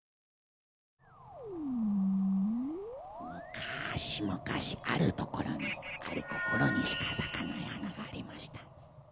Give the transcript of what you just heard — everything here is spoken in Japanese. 「むかしむかしあるところにある心にしか咲かない花がありました」